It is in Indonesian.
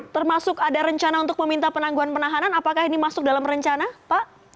termasuk ada rencana untuk meminta penangguhan penahanan apakah ini masuk dalam rencana pak